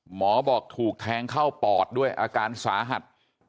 หมอบอกถูกแทงเข้าปอดด้วยอาการสาหัส